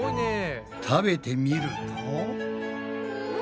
食べてみると。